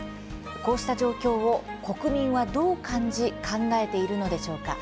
こうした状況を国民は、どう感じ考えているのでしょうか。